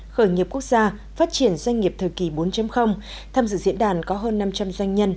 khởi nghiệp quốc gia phát triển doanh nghiệp thời kỳ bốn tham dự diễn đàn có hơn năm trăm linh doanh nhân